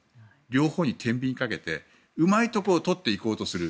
両方にてんびんをかけてうまいところを取っていこうとする。